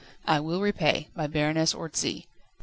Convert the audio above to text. I Will Repay. By Baroness Orczy.